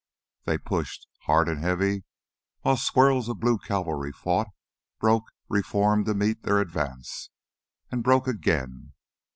They pushed, hard and heavy, while swirls of blue cavalry fought, broke, re formed to meet their advance, and broke again.